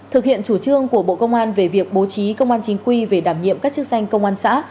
thực hiện chủ trương của bộ công an về việc bố trí công an chính quy về đảm nhiệm các chức danh công an xã